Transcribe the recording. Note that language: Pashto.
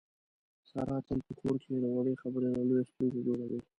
ساره تل په کور کې له وړې خبرې نه لویه ستونزه جوړي.